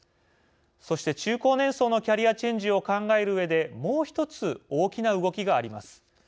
そして、中高年層のキャリアチェンジを考えるうえでもう１つ大きな動きがあります。